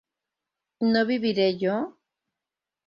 ¿no viviré yo?